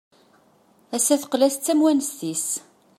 Ass-a teqqel-as d tamwanest-is.